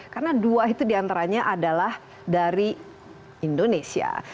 karena dua itu diantaranya adalah dari indonesia